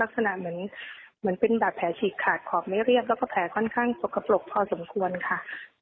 ลักษณะเหมือนเป็นบาดแผลฉีกขาดขอบไม่เรียบแล้วก็แผลค่อนข้างสกปรกพอสมควรค่ะ